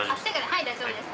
はい大丈夫です。